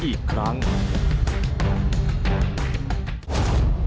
โปรดติดตามตอนต่อไป